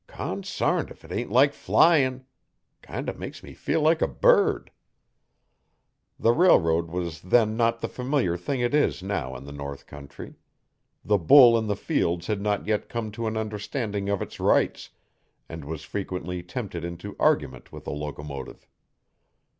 Consarned if it ain't like flyin'! Kind o' makes me feel like a bird.' The railroad was then not the familiar thing it is now in the north country. The bull in the fields had not yet come to an understanding of its rights, and was frequently tempted into argument with a locomotive.